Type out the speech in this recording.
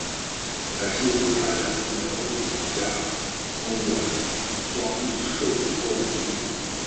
而新竹州辖下的苗栗郡公馆庄亦受波及。